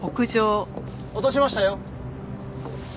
落としましたよ。